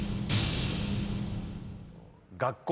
学校。